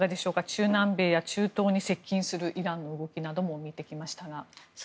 中南米、中東に接近するイランの動きなども見てきましたが。